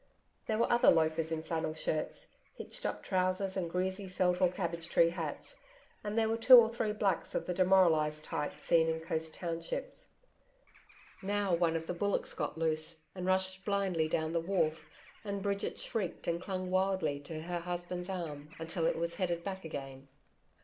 There were other loafers in flannel shirts, hitched up trousers and greasy felt or cabbage tree hats, and there were two or three blacks of the demoralised type seen in coast townships. Now, one of the bullocks got loose and rushed blindly down the wharf, and Bridget shrieked and clung wildly to her husband's arm until it was headed back again.